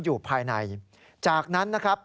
อยู่ภายในจากนั้นนะครับ